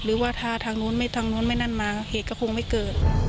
หรือว่าถ้าทางนู้นไม่ทางนู้นไม่นั่นมาเหตุก็คงไม่เกิด